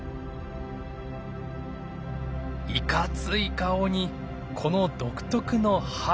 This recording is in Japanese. いかつい顔にこの独特の歯。